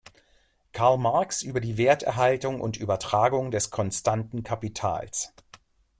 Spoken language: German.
Karl Marx über die Werterhaltung und -übertragung des konstanten Kapitals